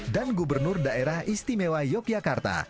dan gubernur daerah istimewa yogyakarta